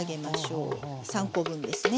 ３コ分ですね。